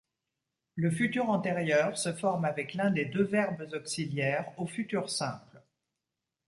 Le futur antérieur se forme avec l’un des deux verbes auxiliaires au futur simple.